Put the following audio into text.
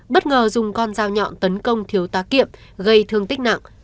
bất ngờ dùng con dao nhọn tấn công thiếu tá kiệm gây thương tích nặng